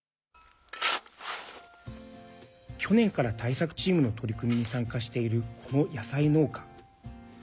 去年から対策チームの取り組みに参加している、この野菜農家。